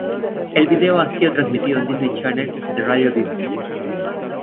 El video ha sido transmitido en Disney Channel y Radio Disney.